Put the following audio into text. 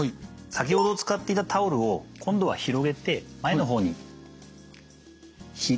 先ほど使っていたタオルを今度は広げて前の方に敷いてください。